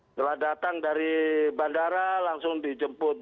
setelah datang dari bandara langsung dijemput